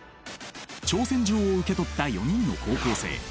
挑戦状を受け取った４人の高校生。